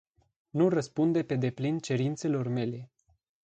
Nu răspunde pe deplin cerințelor mele.